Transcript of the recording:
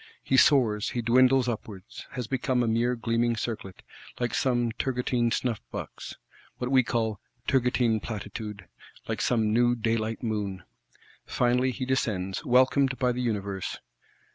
He soars, he dwindles upwards; has become a mere gleaming circlet,—like some Turgotine snuff box, what we call "Turgotine Platitude;" like some new daylight Moon! Finally he descends; welcomed by the universe.